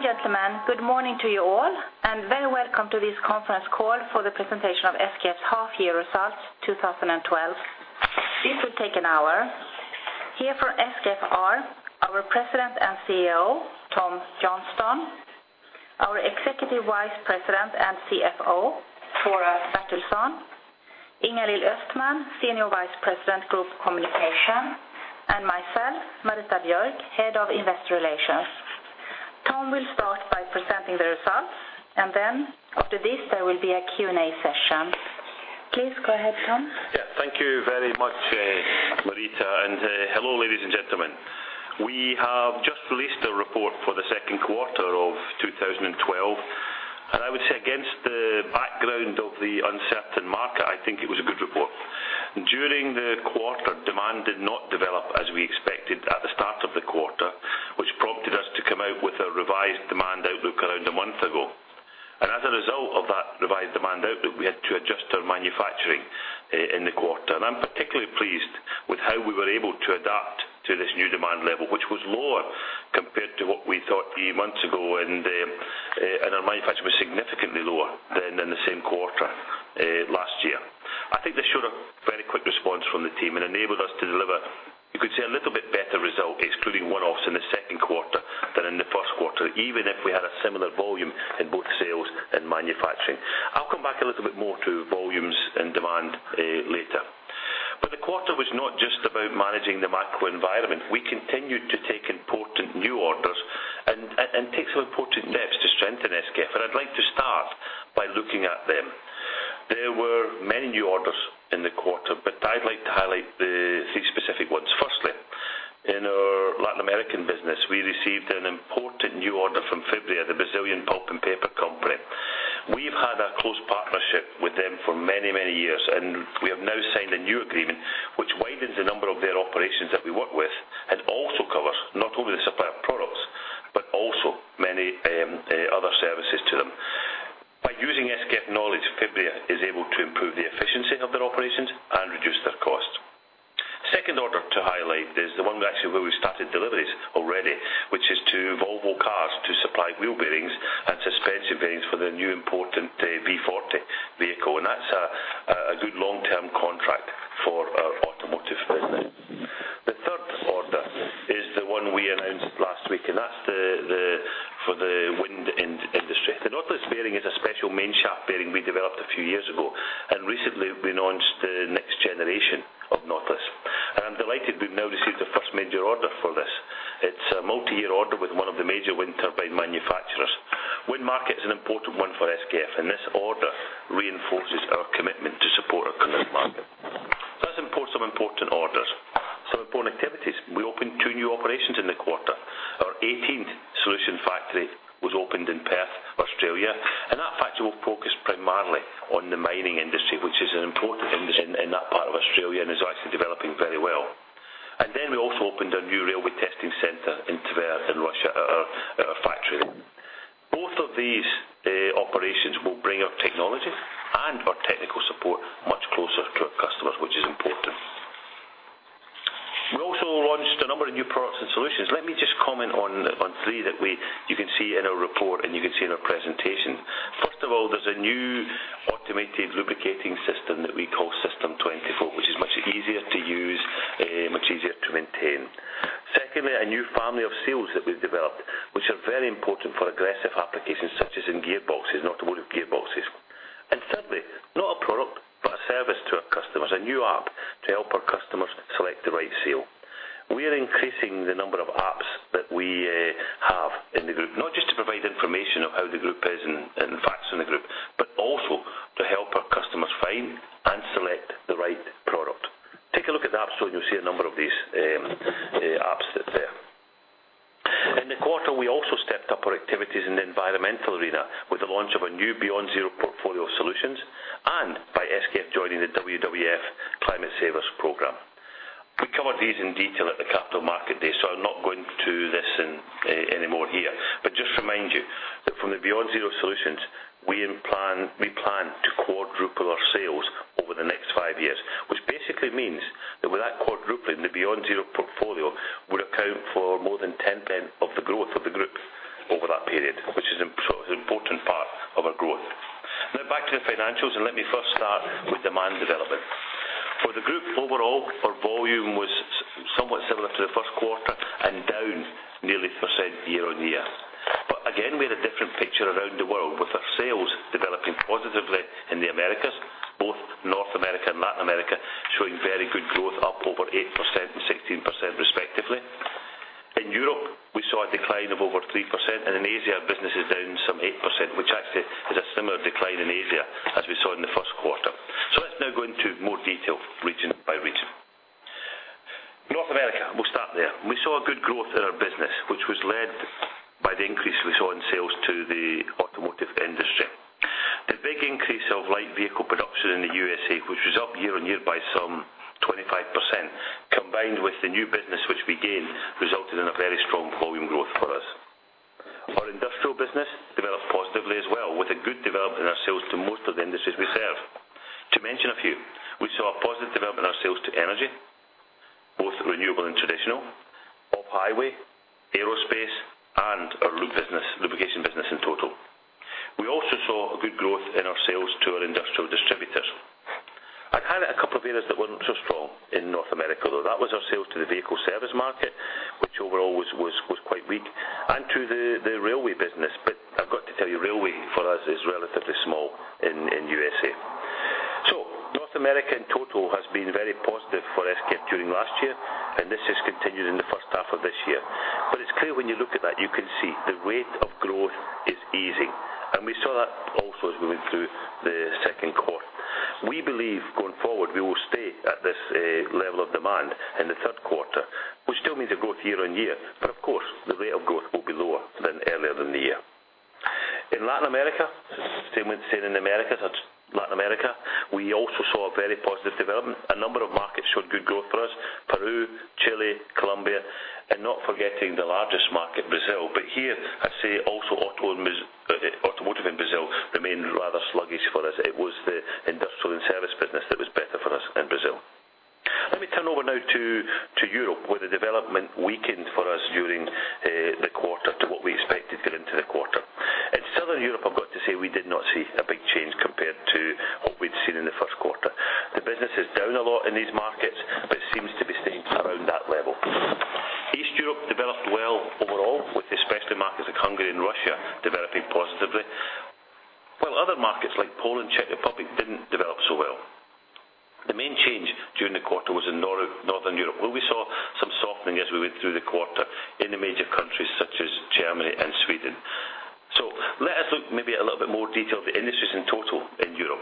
Ladies and gentlemen, good morning to you all, and very welcome to this conference call for the presentation of SKF's half year results, 2012. This will take an hour. Here from SKF are our President and CEO, Tom Johnstone, our Executive Vice President and CFO, Tore Bertilsson, Ingalill Östman, Senior Vice President, Group Communication, and myself, Marita Björk, Head of Investor Relations. Tom will start by presenting the results, and then after this, there will be a Q&A session. Please go ahead, Tom. Yeah, thank you very much, Marita, and hello, ladies and gentlemen. We have just released a report for the second quarter of 2012, and I would say against the background of the uncertain market, I think it was a good report. During the quarter, demand did not develop as we expected at the start of the quarter, which prompted us to come out with a revised demand outlook around a month ago. As a result of that revised demand outlook, we had to adjust our manufacturing in the quarter. I'm particularly pleased with how we were able to adapt to this new demand level, which was lower compared to what we thought three months ago, and our manufacture was significantly lower than in the same quarter last year. I think this showed a very quick response from the team and enabled us to deliver, you could say, a little bit better result, excluding one-offs in the second quarter than in the first quarter, even if we had a similar volume in both sales and manufacturing. I'll come back a little bit more to volumes and demand later. But the quarter was not just about managing the macro environment. We continued to take important new orders and take some important steps to strengthen SKF. I'd like to start by looking at them. There were many new orders in the quarter, but I'd like to highlight the three specific ones. Firstly, in our Latin American business, we received an important new order from Fibria, the Brazilian pulp and paper company. We've had a close partnership with them for many, many years, and we have now signed a new agreement which widens the number of their operations that we work with and also covers not only the supplier products, but also many other services to them. By using SKF knowledge, Fibria is able to improve the efficiency of their operations and reduce their costs. Second order to highlight is the one actually, where we started deliveries already, which is to Volvo Cars to supply wheel bearings and suspension bearings for their new important V40 vehicle, and that's a good long-term contract for our automotive business. The third order is the one we announced last week, and that's the for the wind industry. The Nautilus bearing is a special main shaft bearing we developed a few years ago, and recently we launched the next generation of Nautilus. And I'm delighted we've now received the first major order for this. It's a multi-year order with one of the major wind turbine manufacturers. Wind market is an important one for SKF, and this order reinforces our commitment to support our current market. That's important. Some important orders. Some important activities, we opened two new operations in the quarter. Our eighteenth Solution Factory was opened in Perth, Australia, and that factory will focus primarily on the mining industry, which is an important industry in that part of Australia and is actually developing very well. And then we also opened a new railway testing center in Tver, in Russia, at our factory. Both of these operations will bring our technology and our technical support much closer to our customers, which is important. We also launched a number of new products and solutions. Let me just comment on three that you can see in our report and you can see in our presentation. First of all, there's a new automated lubricating system that we call System 24, which is much easier to use, much easier to maintain. Secondly, a new family of seals that we've developed, which are very important for aggressive applications, such as in gearboxes, automotive gearboxes. And thirdly, not a product, but a service to our customers, a new app to help our customers select the right seal. We are increasing the number of apps that we have in the group, not just to provide information of how the group is and facts in the group, but also to help our customers find and select the right product. Take a look at the App Store and you'll see a number of these, apps that's there. In the quarter, we also stepped up our activities in the environmental arena with the launch of a new BeyondZero portfolio of solutions and by SKF joining the WWF Climate Savers program. We covered these in detail at the Capital Market Day, so I'm not going to this in, anymore here. But just remind you, that from the BeyondZero solutions, we plan to quadruple our sales over the next five years, which basically means that with that quadrupling, the BeyondZero portfolio would account for more than 10% of the growth of the group over that period, which is an important part of our growth. Now, back to the financials, and let me first start with demand development. For the group, overall, our volume was somewhat similar to the first quarter and down nearly percent year-on-year. But again, we had a different picture around the world, with our sales developing positively in the Americas, both North America and Latin America, showing very good growth, up over 8% and 16%, respectively. In Europe, we saw a decline of over 3%, and in Asia, business is down some 8%, which actually is a similar decline in Asia as we saw in the first quarter. So let's now go into more detail, region by region. North America, we'll start there. We saw a good growth in our business, which was led by the increase we saw in sales to the automotive industry. The big increase of light vehicle production in the U.S., which was up year-on-year by some 25%, combined with the new business which we gained, resulted in a very strong volume growth for us. Our industrial business developed positively as well. In a few, we saw a positive development in our sales to energy, both renewable and traditional, off-highway, aerospace, and our lube business, lubrication business in total. We also saw a good growth in our sales to our industrial distributors. I had a couple of areas that weren't so strong in North America, though. That was our sales to the vehicle service market, which overall was quite weak and to the railway business. But I've got to tell you, railway, for us, is relatively small in U.S.. So North America, in total, has been very positive for SKF during last year, and this has continued in the first half of this year. But it's clear when you look at that, you can see the rate of growth is easing, and we saw that also as we went through the second quarter. We believe, going forward, we will stay at this level of demand in the third quarter, which still means a growth year on year. But of course, the rate of growth will be lower than earlier in the year. In Latin America, same with Latin America, we also saw a very positive development. A number of markets showed good growth for us, Peru, Chile, Colombia, and not forgetting the largest market, Brazil. But here, I say, also, auto and automotive in Brazil remained rather sluggish for us. It was the industrial and service business that was better for us in Brazil. Let me turn over now to Europe, where the development weakened for us during the quarter to what we expected going into the quarter. In Southern Europe, I've got to say, we did not see a big change compared to what we'd seen in the first quarter. The business is down a lot in these markets, but seems to be staying around that level. Eastern Europe developed well overall, with especially markets like Hungary and Russia developing positively. While other markets, like Poland, Czech Republic, didn't develop so well. The main change during the quarter was in Northern Europe, where we saw some softening as we went through the quarter in the major countries such as Germany and Sweden. Let us look maybe a little bit more detail of the industries in total in Europe.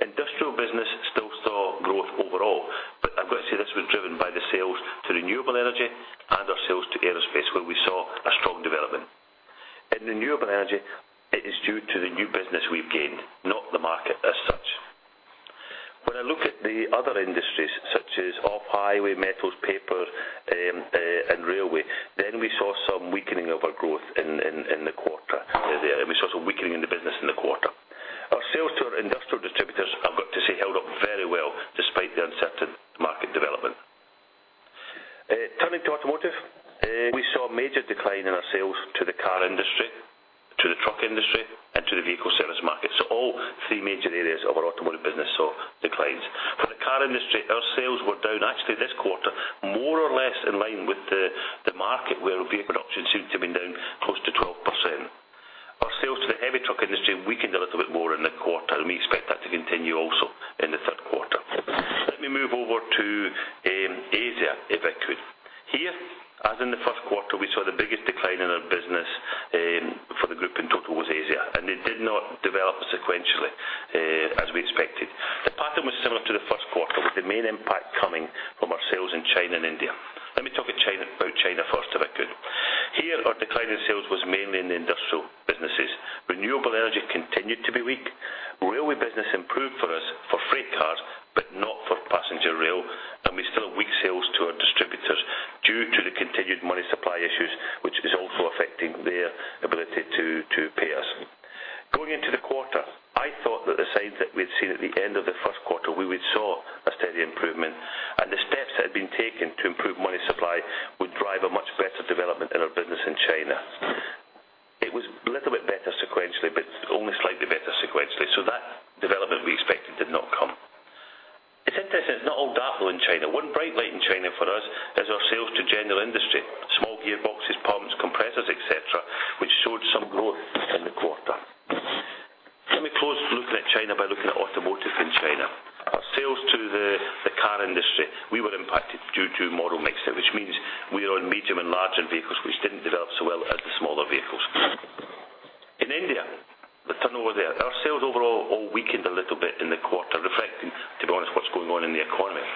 Industrial business still saw growth overall, but I've got to say this was driven by the sales to renewable energy and our sales to aerospace, where we saw a strong development. In renewable energy, it is due to the new business we've gained, not the market as such. When I look at the other industries, such as off-highway, metals, paper, and railway, then we saw some weakening of our growth in the quarter. We saw some weakening in the business in the quarter. Our sales to our industrial distributors, I've got to say, held up very well despite the uncertain market development. Turning to automotive, we saw a major decline in our sales to the car industry, to the truck industry, and to the vehicle service market. So all three major areas of our automotive business saw declines. For the car industry, our sales were down, actually this quarter, more or less in line with the market, where vehicle options seemed to be down close to 12%. Our sales to the heavy truck industry weakened a little bit more in the quarter, and we expect that to continue also in the third quarter. Let me move over to Asia, if I could. Here, as in the first quarter, we saw the biggest decline in our business, for the group in total was Asia, and it did not develop sequentially as we expected. The pattern was similar to the first quarter, with the main impact coming from our sales in China and India. Let me talk at China, about China first, if I could. Here, our decline in sales was mainly in the industrial businesses. Renewable energy continued to be weak. Railway business improved for us for freight cars, but not for passenger rail, and we still have weak sales to our distributors due to the continued money supply issues, which is also affecting their ability to, to pay us. Going into the quarter, I thought that the signs that we'd seen at the end of the first quarter, we would saw a steady improvement, and the steps that had been taken to improve money supply would drive a much better development in our business in China. It was a little bit better sequentially, but only slightly better sequentially, so that development we expected did not come. It's interesting, it's not all dark in China. One bright light in China for us is our sales to general industry, small gearboxes, pumps, compressors, et cetera, which showed some growth in the quarter. Let me close looking at China by looking at automotive in China. Our sales to the car industry were impacted due to model mixing, which means we are on medium and larger vehicles, which didn't develop so well as the smaller vehicles. In India, let's turn over there. Our sales overall weakened a little bit in the quarter, reflecting, to be honest, what's going on in the economy.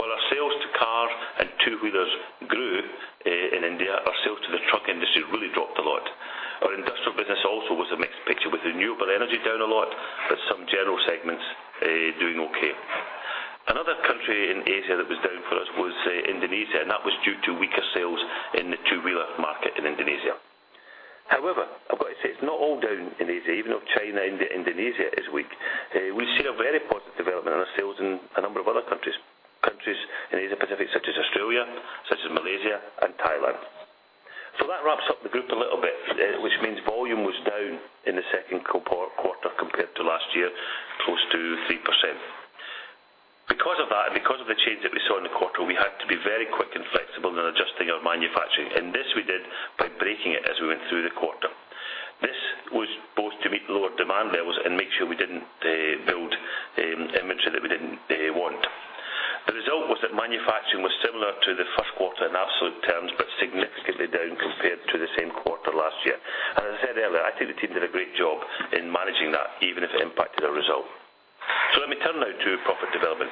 While our sales to car and two-wheelers grew in India, our sales to the truck industry really dropped a lot. Our industrial business also was a mixed picture, with renewable energy down a lot, but some general segments doing okay. Another country in Asia that was down for us was Indonesia, and that was due to weaker sales in the two-wheeler market in Indonesia. However, I've got to say it's not all down in Asia, even though China, India, Indonesia is weak. We see a very positive development in our sales in a number of other countries, countries in Asia Pacific, such as Australia, such as Malaysia and Thailand. So that wraps up the group a little bit, which means volume was down in the second quarter compared to last year, close to 3%. Because of that and because of the change that we saw in the quarter, we had to be very quick and flexible in adjusting our manufacturing, and this we did by breaking it as we went through the quarter. This was both to meet lower demand levels and make sure we didn't build inventory that we didn't want. The result was that manufacturing was similar to the first quarter in absolute terms, but significantly down compared to the same quarter last year. As I said earlier, I think the team did a great job in managing that, even if it impacted our result. Let me turn now to profit development.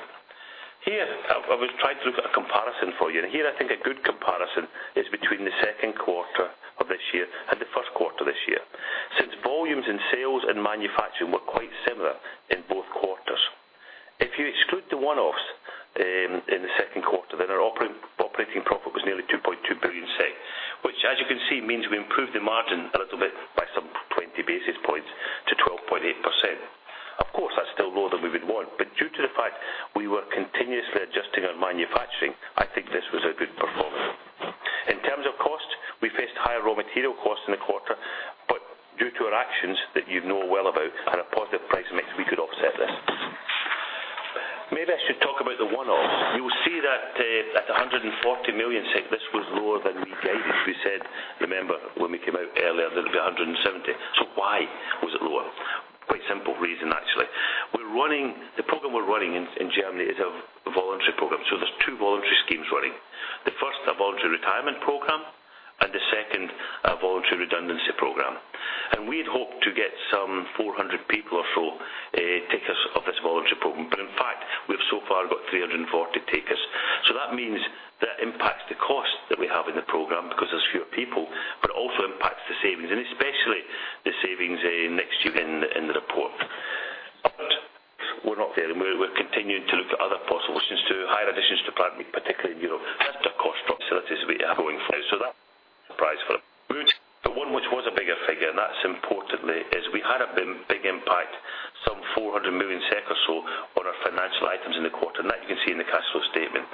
Here, I was trying to look at a comparison for you, and here I think a good comparison is between the second quarter of this year and the first quarter this year. Since volumes and sales and manufacturing were quite similar in both quarters. If you exclude the one-offs in the second quarter, then our operating profit was nearly 2.2 billion SEK, which, as you can see, means we improved the margin a little bit, 20 basis points to 12.8%. Of course, that's still lower than we would want, but due to the fact we were continuously adjusting our manufacturing, I think this was a good performance. In terms of cost, we faced higher raw material costs in the quarter, but due to our actions that you know well about, and a positive price mix, we could offset this. Maybe I should talk about the one-offs. You'll see that at 140 million, this was lower than we guided. We said, remember, when we came out earlier that it'd be 170. So why was it lower? Quite simple reason, actually. We're running... The program we're running in, in Germany is a voluntary program. So there's two voluntary schemes running. The first, a voluntary retirement program, and the second, a voluntary redundancy program. And we had hoped to get some 400 people or so, takers of this voluntary program. But in fact, we've so far got 340 takers. So that means that impacts the cost that we have in the program because there's fewer people, but it also impacts the savings, and especially the savings, next year in, in the report. But we're not there, and we're, we're continuing to look at other possibilities to hire additions to plant, particularly in Europe, after cost facilities we have going forward. So that surprise for them. But one which was a bigger figure, and that's, importantly, is we had a big, big impact, some 400 million SEK or so on our financial items in the quarter. And that you can see in the cash flow statement.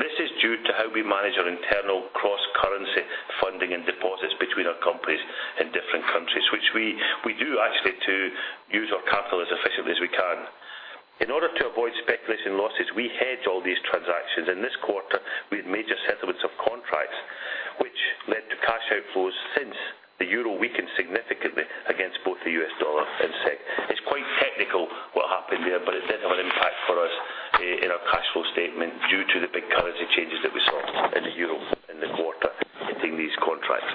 This is due to how we manage our internal cross-currency funding and deposits between our companies in different countries, which we do actually to use our capital as efficiently as we can. In order to avoid speculation losses, we hedge all these transactions. In this quarter, we had major settlements of contracts, which led to cash outflows since the euro weakened significantly against both the U.S. dollar and SEK. It's quite technical, what happened there, but it did have an impact for us in our cash flow statement due to the big currency changes that we saw in the euro in the quarter hitting these contracts.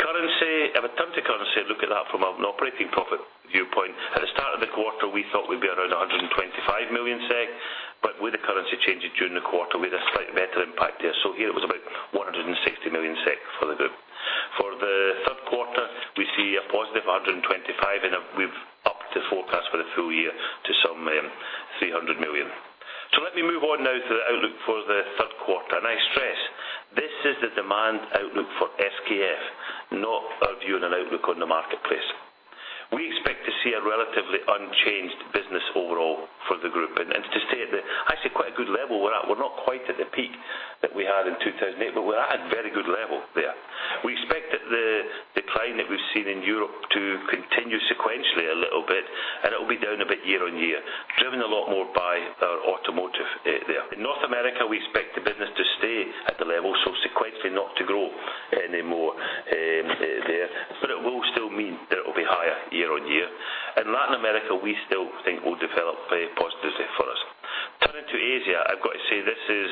Currency, if I turn to currency, look at that from an operating profit viewpoint. At the start of the quarter, we thought we'd be around 125 million SEK, but with the currency changes during the quarter, we had a slightly better impact there. So here it was about 160 million SEK for the group. For the third quarter, we see a positive 125 million, and we've upped the forecast for the full year to some 300 million. So let me move on now to the outlook for the third quarter. I stress, this is the demand outlook for SKF, not our view and an outlook on the marketplace. We expect to see a relatively unchanged business overall for the group, and to stay at the actually quite a good level we're at. We're not quite at the peak that we had in 2008, but we're at a very good level there. We expect that the decline that we've seen in Europe to continue sequentially a little bit, and it'll be down a bit year on year, driven a lot more by our automotive there. In North America, we expect the business to stay at the level, so sequentially not to grow any more there, but it will still mean that it will be higher year on year. In Latin America, we still think will develop very positively for us. Turning to Asia, I've got to say this is,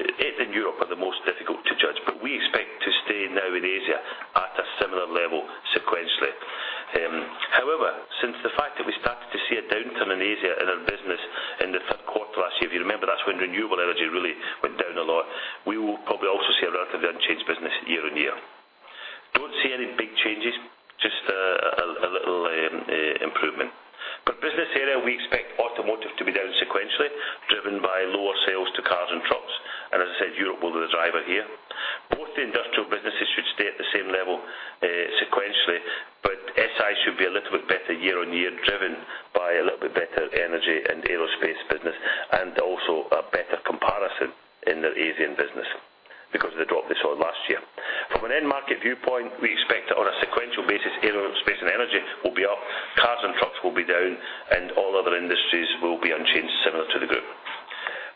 it and Europe are the most difficult to judge, but we expect to stay now in Asia at a similar level sequentially. However, since the fact that we started to see a downturn in Asia, in our business in the third quarter last year, if you remember, that's when renewable energy really went down a lot. We will probably also see a relatively unchanged business year on year. Don't see any big changes, just a little improvement. By business area, we expect automotive to be down sequentially, driven by lower sales to cars and trucks, and as I said, Europe will be the driver here. Both the industrial businesses should stay at the same level sequentially, but SI should be a little bit better year on year, driven by a little bit better energy and aerospace business, and also a better comparison in their Asian business because of the drop they saw last year. From an end market viewpoint, we expect that on a sequential basis, aerospace and energy will be up, cars and trucks will be down, and all other industries will be unchanged, similar to the group.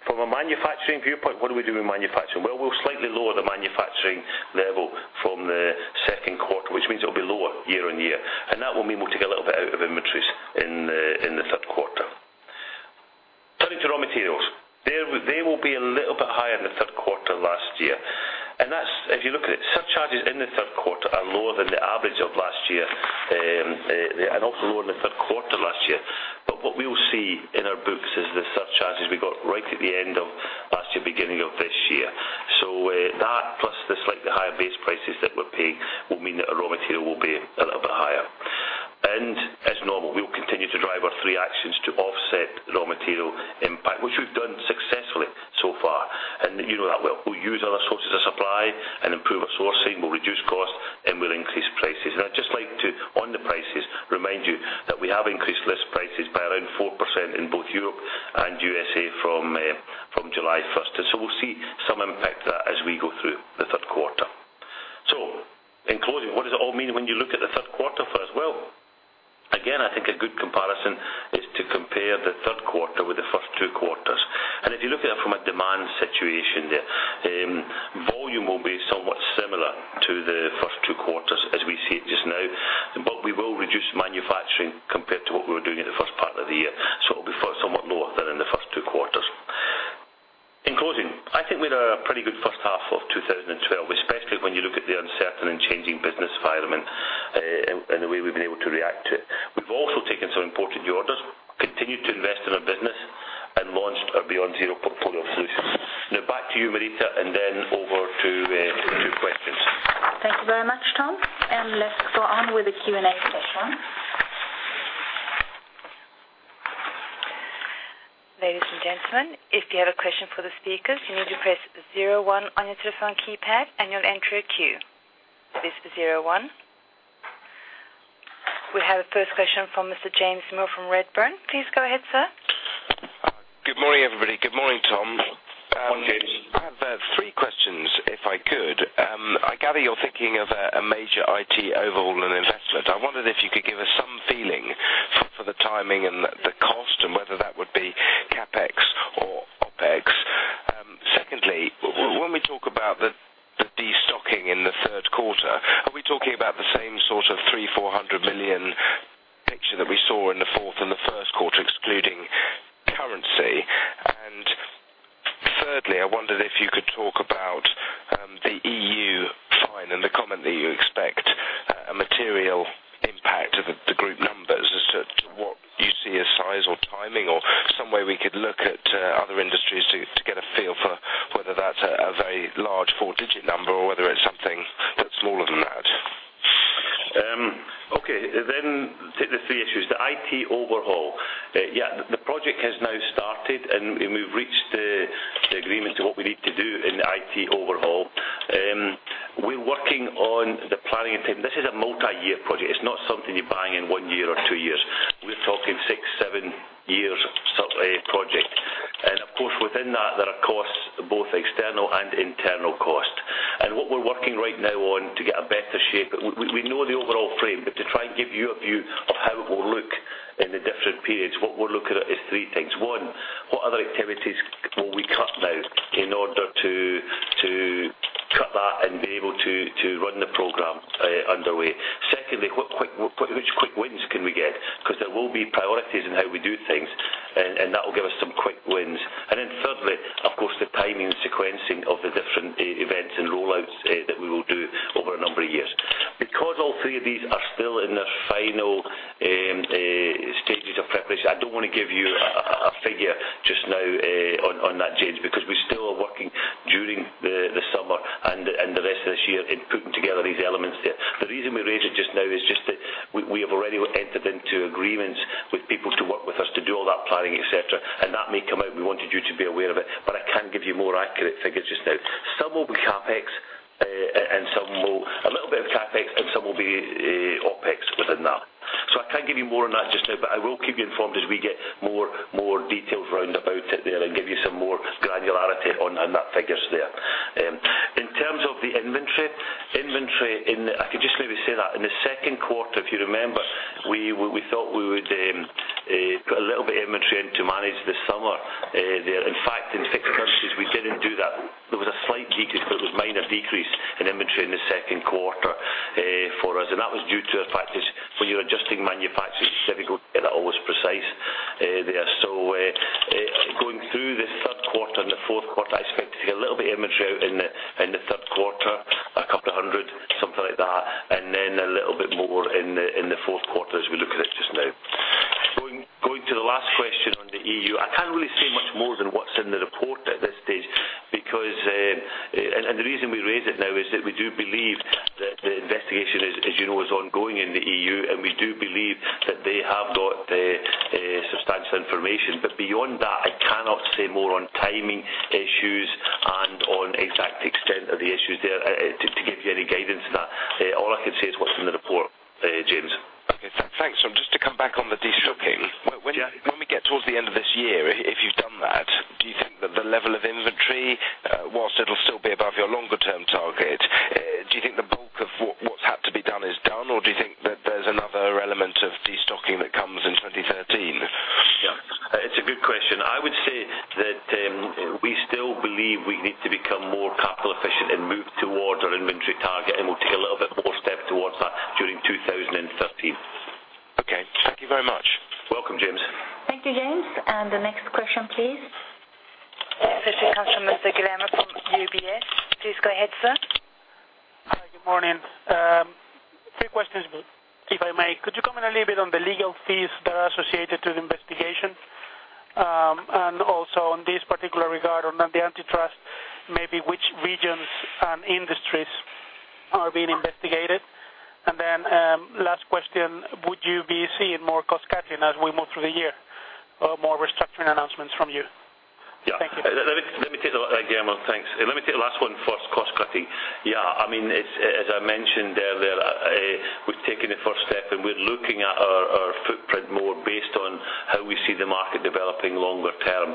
From a manufacturing viewpoint, what do we do in manufacturing? Well, we'll slightly lower the manufacturing level from the second quarter, which means it'll be lower year on year, and that will mean we'll take a little bit out of inventories in the third quarter. Turning to raw materials, they will be a little bit higher in the third quarter last year. And that's, if you look at it, surcharges in the third quarter are lower than the average of last year, and also lower in the third quarter last year. But what we will see in our books is the surcharges we got right at the end of last year, beginning of this year. So, that plus the slightly higher base prices that we're paying, will mean that our raw material will be a little bit higher. And as normal, we will continue to drive our three actions to offset raw material impact, which we've done successfully so far. And you know that we'll use other sources of supply and improve our sourcing, we'll reduce cost, and we'll increase prices. I'd just like to, on the prices, remind you that we have increased list prices by around 4% in both Europe and U.S. from July first. And so we'll see some impact there as we go through the third quarter. So in closing, what does it all mean when you look at the third quarter for us? Well, again, I think a good comparison is to compare the third quarter with the first two quarters. And if you look at it from a demand situation there, volume will be somewhat similar to the first two quarters as we see it just now, but we will reduce manufacturing compared to what we were doing in the first part of the year. So it will be for somewhat lower than in the first two quarters. In closing, I think we had a pretty good first half of 2012, especially when you look at the uncertain and changing business environment, and the way we've been able to react to it. We've also taken some important new orders, continued to invest in our business, and launched our BeyondZero portfolio solutions. Now back to you, Marita, and then over to questions. Thank you very much, Tom, and let's go on with the Q&A session. Ladies and gentlemen, if you have a question for the speakers, you need to press zero-one on your telephone keypad, and you'll enter a queue. This is zero-one. We have a first question from Mr. James Moore from Redburn. Please go ahead, sir. Good morning, everybody. Good morning, Tom. Good morning, James. I have three questions, if I could. I gather you're thinking of a major IT overhaul and investment. I wondered if you could give us some feeling for the timing and the cost, and whether that would be CapEx or OpEx. Secondly, when we talk about the destocking in the third quarter, are we talking about the same sort of 300 million-400 million picture that we saw in the fourth and the first quarter, excluding currency? Thirdly, I wondered if you could talk about the EU fine and the comment that you expect a material impact of the group numbers as to what you see as size or timing, or some way we could look at other industries to get a feel for whether that's a very large four-digit number or whether it's something that's smaller than that? Okay, then to the three issues. The IT overhaul. Yeah, the project has now started, and we've reached the, the agreement to what we need to do in the IT overhaul. We're working on the planning and timing. This is a multi-year project. It's not something you're buying in one year or two years. We're talking six, seven years sort of a project. And of course, within that, there are costs, both external and internal cost. And what we're working right now on to get a better shape, we, we know the overall frame, but to try and give you a view of how it will look in the different periods, what we're looking at is 3 things. One, what other activities will we cut now in order to, to cut that and be able to, to run the program underway? Secondly, which quick wins can we get? Because there will be priorities in how we do things, and that will give us some quick wins. And then thirdly, of course, the timing and something like that, and then a little bit more in the, in the fourth quarter as we look at it just now. Going to the last question on the EU, I can't really say much more than what's in the report at this stage, because... And the reason we raise it now is that we do believe that the investigation, as you know, is ongoing in the EU, and we do believe that they have got the substantial information. But beyond that, I cannot say more on timing issues and on exact extent of the issues there, to give you any guidance on that. All I can say is what's in the report, James. Okay, thanks. So just to come back on the destocking. Yeah. When we get towards the end of this year, if you've done that, do you think that the level of inventory, while it'll still be above your longer-term target, do you think the bulk of what's had to be done is done, or do you think that there's another element of destocking that comes in 2013? Yeah. It's a good question. I would say that we still believe we need to become more capital efficient and move towards our inventory target, and we'll take a little bit more step towards that during 2013. Okay. Thank you very much. Welcome, James. Thank you, James. The next question, please. First we have Mr. Guillermo from UBS. Please go ahead, sir. Hi, good morning. Three questions, if I may. Could you comment a little bit on the legal fees that are associated to the investigation? And also on this particular regard on the antitrust, maybe which regions and industries are being investigated? And then, last question, would you be seeing more cost cutting as we move through the year, or more restructuring announcements from you? Yeah. Thank you. Let me take that, Guillermo, thanks. Let me take the last one first, cost cutting. Yeah, I mean, as I mentioned earlier, we've taken the first step, and we're looking at our footprint more based on how we see the market developing longer term.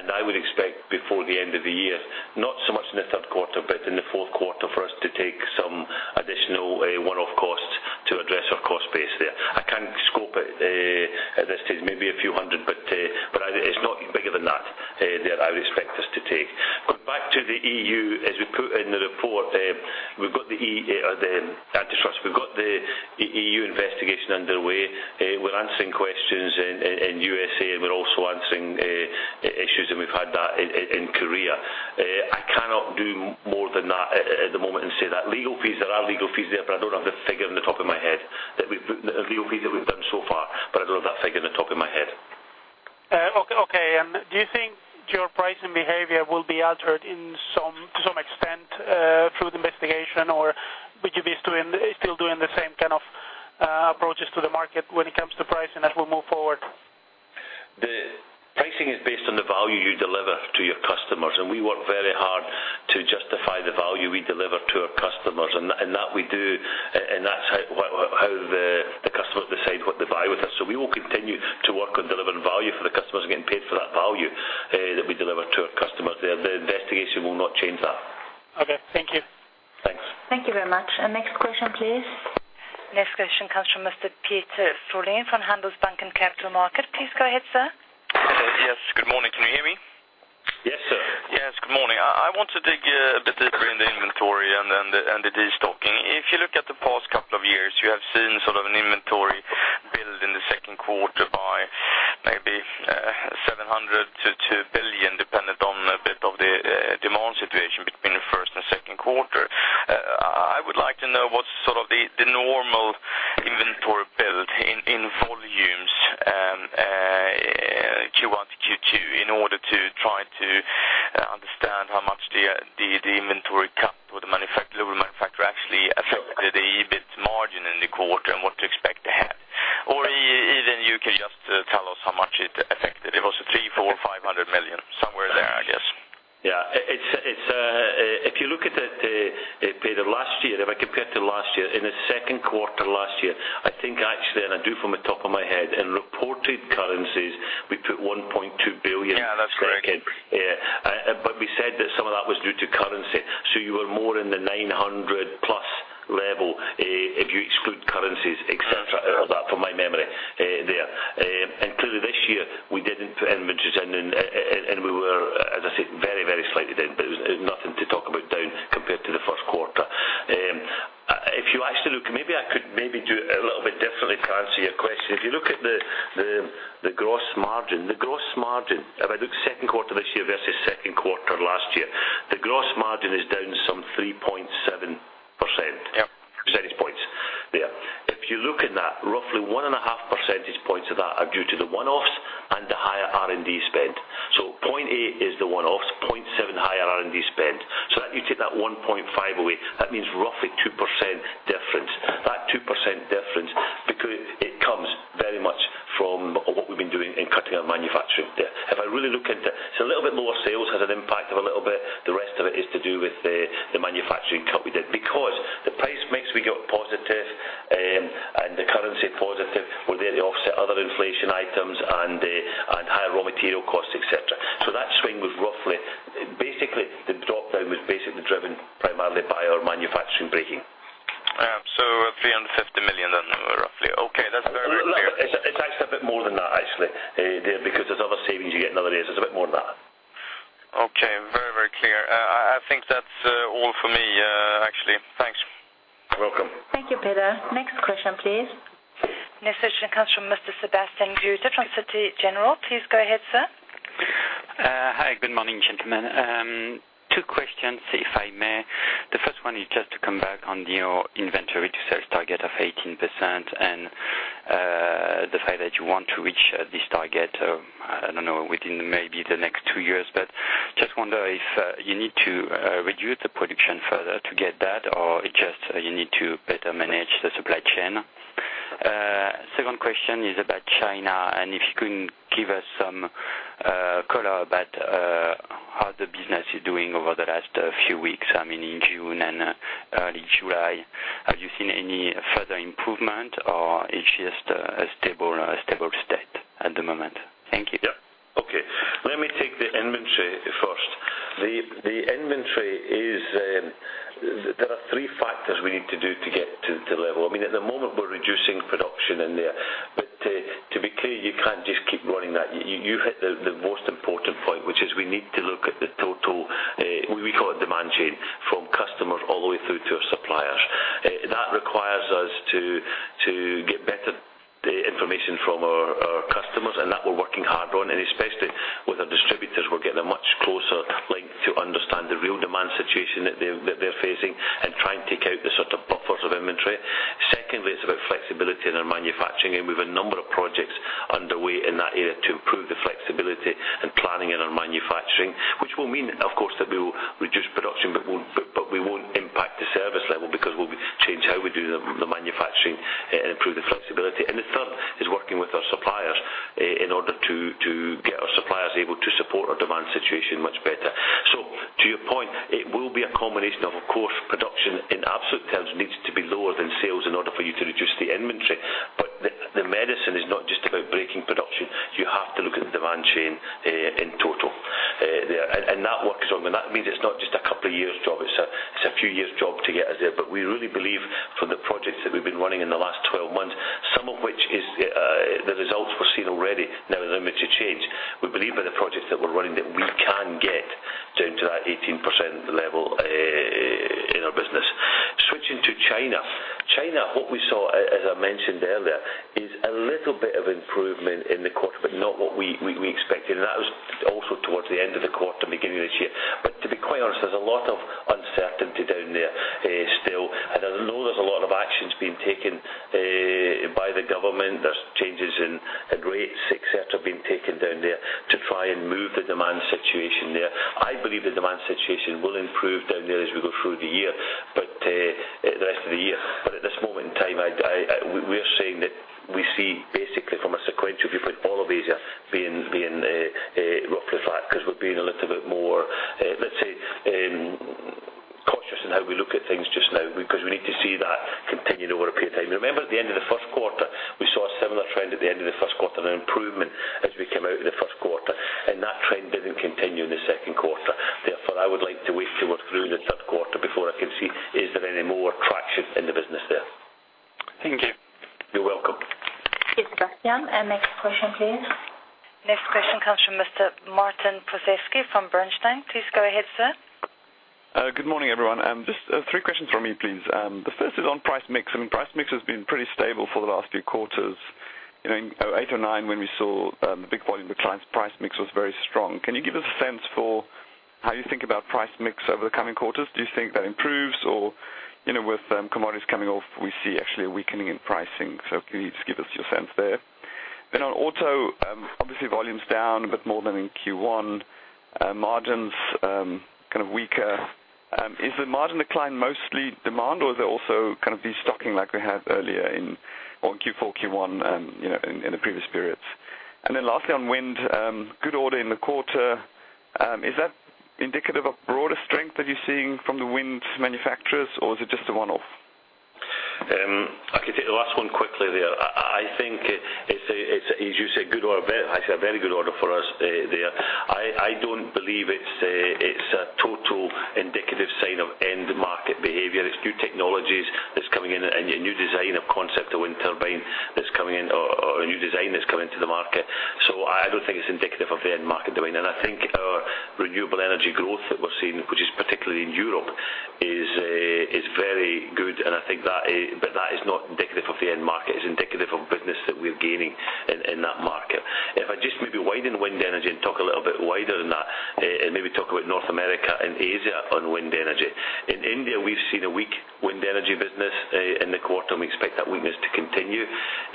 And I would expect before the end of the year, not so much in the third quarter, but in the fourth quarter, for us to take some additional one-off costs to address our cost base there. I can't scope it at this stage, maybe a few hundred, but it's not bigger than that that I would expect us to take. Going back to the EU, as we put in the report, we've got the EU antitrust. We've got the EU investigation underway. We're answering questions in U.S., and we're also answering issues, and we've had that in Korea. I cannot do more than that at the moment and say that legal fees, there are legal fees there, but I don't have the figure in the top of my head. The legal fees that we've done so far, but I don't have that figure in the top of my head. Do you think your pricing behavior will be altered in some, to some extent, through the investigation, or? BGB is doing, is still doing the same kind of approaches to the market when it comes to pricing as we move forward? The pricing is based on the value you deliver to your customers, and we work very hard to justify the value we deliver to our customers, and that, and that we do. And that's how the customers decide what the value is. So we will continue to work on delivering value for the customers and getting paid for that value that we deliver to our customers there. The investigation will not change that. Okay, thank you. Thanks. Thank you very much. Next question, please. Next question comes from Mr. Peder Frölén from Handelsbanken Capital Markets. Please go ahead, sir. Yes, good morning. Can you hear me? Yes, sir. Yes, good morning. I want to dig a bit deeper in the inventory and then the destocking. If you look at the past couple of years, you have seen sort of an inventory build in the second quarter by maybe 700 to 2 billion, depending on a bit of the demand situation between the first and second quarter. I would like to know what's sort of the normal inventory build in volumes, Q1 to Q2, in order to try to understand how much the inventory cut or the manufacturer actually affected the EBIT margin in the quarter and what to expect ahead. Or even you can just tell us how much it affected. It was 300, 400, 500 million, somewhere there, I guess. Yeah. It's if you look at it, the last year, if I compare it to last year, in the second quarter last year, I think actually, and I do from the top of my head, in reported currencies, we put 1.2 billion- Yeah, that's correct. Yeah. But we said that some of that was due to currency. So you were more in the 900+ level, if you exclude currencies, et cetera, out of that, from my memory, there. And clearly this year, we didn't put hedges in, and, and, and we were, as I said, very, very slightly down, but it was nothing to talk about down compared to the first quarter. If you actually look, maybe I could maybe do it a little bit differently to answer your question. If you look at the gross margin. The gross margin, if I look second quarter this year versus second quarter last year, the gross margin is down some 3.7%. Yeah. Percentage points, yeah. If you look in that, roughly 1.5 percentage points of that are due to the one-offs and the higher R&D spend. So 1.0 is the one-offs, 0.7 higher R&D spend. So that you take that 1.5 away, that means roughly 2% difference. That 2% difference, because it comes very much from what we've been doing in cutting our manufacturing there. If I really look into it, so a little bit lower sales has an impact of a little bit. The rest of it is to do with the, the manufacturing cut we did. Because the price mix we got positive, and the currency positive were there to offset other inflation items and the, and higher raw material costs, et cetera. So that swing was roughly... Basically, the drop-down was basically driven primarily by our manufacturing breaking. So 350 million then, roughly. Okay, that's very, very clear. It's actually a bit more than that, actually, because there's other savings you get in other areas. There's a bit more than that. Okay, very, very clear. I think that's all for me, actually. Thanks. Welcome. Thank you, Peter. Next question, please. Next question comes from Mr. Sebastian Grötter from Citi. Please go ahead, sir. Hi, good morning, gentlemen. Two questions, if I may. The first one is just to come back on your inventory to sales target of 18% and the fact that you want to reach this target, I don't know, within maybe the next two years. But just wonder if you need to reduce the production further to get that, or it's just you need to better manage the supply chain? Second question is about China, and if you can give us some color about how the business is doing over the last few weeks, I mean, in June and early July. Have you seen any further improvement, or it's just a stable state at the moment? Thank you. Yeah. Okay. Let me take the inventory first. The inventory is, there are three factors we need to do to get to the level. I mean, at the moment, we're reducing production in there. But to be clear, you can't just keep running that. You hit the most important point, which is we need to look at the total, we call it demand chain, from customers all the way through to our suppliers. That requires us to get better information from our customers, and that we're working hard on, and especially with our distributors, we're getting a much closer link to understand the real demand situation that they're facing and trying to take out the sort of buffers of inventory. Secondly, it's about flexibility in our manufacturing, and we've a number of projects underway in that area to improve the flexibility and planning in our manufacturing, which will mean, of course, that we will reduce production, but we won't impact the service level because we'll be changing how we do the manufacturing and improve the flexibility. And the third is working with our suppliers in order to get our suppliers able to support our demand situation much better. So to your point, it will be a combination of, of course, production in absolute terms needs to be lower than sales in order for you to reduce the inventory. But the medicine is not just about breaking production. You have to look at the demand chain in total. And that works on... That means it's not just a couple of years job, it's a few years job to get us there. But we really believe from the projects that we've been running in the last 12 months, some of which is the results we're seeing already now allowing me to change. We believe by the projects that we're running, that we can get down to that 18% level in our business. Switching to China. China, what we saw, as I mentioned earlier, is a little bit of improvement in the quarter, but not what we expected, and that was also towards the end of the quarter, beginning of this year. But to be quite honest, there's a lot of uncertainty down there still, and I know there's a lot of actions being taken by the government. There's changes in the rates, et cetera, being taken down there to try and move the demand situation there. I believe the demand situation will improve down there as we go through the year, but the rest of the year. But at this moment in time, I we are saying that we see basically from a sequential viewpoint, all of these are being roughly flat because we're being a little bit more, let's say, cautious in how we look at things just now, because we need to see that continued over a period of time. Remember, at the end of the first quarter, we saw a similar trend at the end of the first quarter, an improvement as we came out in the first quarter, and that trend didn't continue in the second quarter. Therefore, I would like to wait till we're through the third quarter before I can see is there any more traction in the business there? Thank you. You're welcome. Thanks, Sebastian. Next question, please. Next question comes from Mr. Martin Prozesky from Bernstein. Please go ahead, sir. Good morning, everyone. Just three questions from me, please. The first is on price mix, and price mix has been pretty stable for the last few quarters. You know, in eight or nine, when we saw a big volume of clients, price mix was very strong. Can you give us a sense for how you think about price mix over the coming quarters? Do you think that improves or, you know, with commodities coming off, we see actually a weakening in pricing? So can you just give us your sense there? Then on auto, obviously, volume's down a bit more than in Q1. Margins kind of weaker. Is the margin decline mostly demand, or is it also kind of restocking like we had earlier in Q4, Q1, you know, in the previous periods? And then lastly, on wind, good order in the quarter. Is that indicative of broader strength that you're seeing from the wind manufacturers, or is it just a one-off? I can take the last one quickly there. I think it's, as you say, a good order, actually, a very good order for us there. I don't believe it's a total indicative sign of end market behavior. It's new technologies that's coming in, and a new design of concept of wind turbine that's coming in, or a new design that's coming to the market. So I don't think it's indicative of the end market doing. And I think our renewable energy growth that we're seeing, which is particularly in Europe, is very good, and I think that, but that is not indicative of the end market. It's indicative of business that we're gaining in that market. If I just maybe widen wind energy and talk a little bit wider than that, and maybe talk about North America and Asia on wind energy. In India, we've seen a weak wind energy business, in the quarter, and we expect that weakness to continue.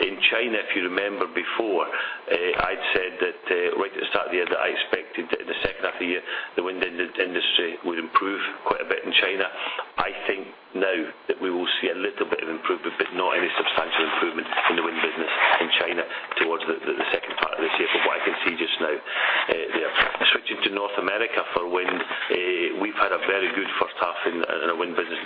In China, if you remember before, I'd said that, right at the start of the year, that I expected in the second half of the year, the wind industry would improve quite a bit in China. I think now that we will see a little bit of improvement, but not any substantial improvement in the wind business in China towards the, the second part of this year, from what I can see just now, there. Switching to North America for wind, we've had a very good first half in the, in the wind business.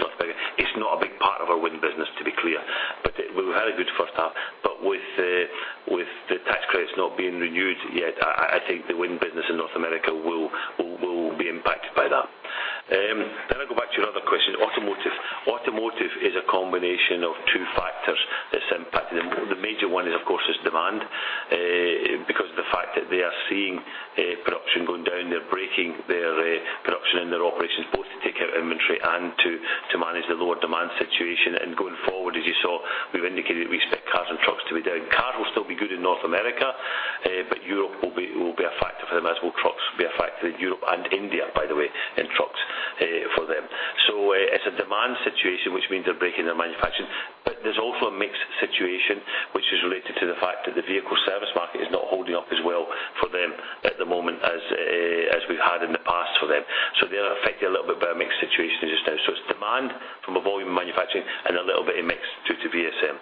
It's not a big part of our wind business, to be clear, but we've had a good first half. But with the tax credits not being renewed yet, I think the wind business in North America will be impacted by that. Then I go back to your other question, automotive. Automotive is a combination of two factors that's impacting them. The major one is, of course, demand, because of the fact that they are seeing production going down. They're breaking their production and their operations, both to take out inventory and to manage the lower demand situation. And going forward, as you saw, we've indicated that we expect cars and trucks to be down. Cars will still be good in North America, but Europe will be a factor for them, as will trucks be a factor in Europe and India, by the way, in trucks, for them. So it's a demand situation, which means they're breaking their manufacturing. But there's also a mixed situation, which is related to the fact that the vehicle service market is not holding up as well for them at the moment as we've had in the past for them. So they are affected a little bit by a mixed situation just now. So it's demand from a volume of manufacturing and a little bit in mix due to VSM.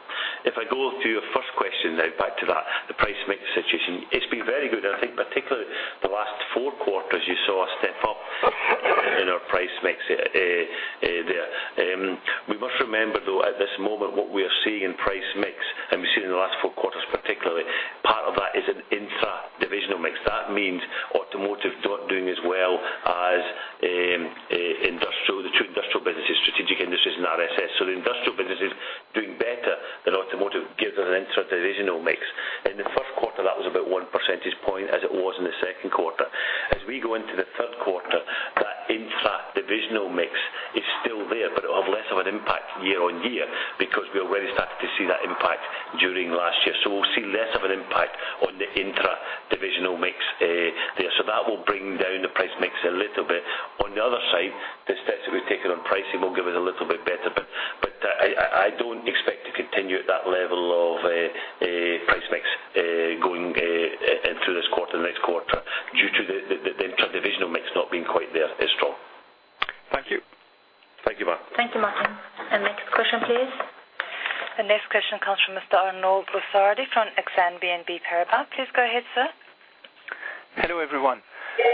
If I go to your first question, now back to that, the price mix situation. It's been very good, and I think particularly the last four quarters, you saw a step up in our price mix there. We must remember, though, at this moment, what we are seeing in price mix, and we've seen in the last four quarters, particularly, part of that is an intra-divisional mix. That means automotive not doing as well as industrial. The two industrial businesses, Strategic Industries, and RSS. So the industrial business is doing better than automotive gives us an intra-divisional mix. In the first quarter, that was about one percentage point, as it was in the second quarter. As we go into the third quarter, that intra-divisional mix is still there, but it will have less of an impact year on year because we already started to see that impact during last year. So we'll see less of an impact on the intra-divisional mix there. So that will bring down the price mix a little bit. On the other side, the steps that we've taken on pricing will give us a little bit better, but I don't expect to continue at that level of price mix going through this quarter, next quarter, due to the intra-divisional mix not being quite there as strong. Thank you. Thank you, Martin. Thank you, Martin. Next question, please. The next question comes from Mr. Arnaud Pinatel from Exane BNP Paribas. Please go ahead, sir. Hello, everyone. Yes,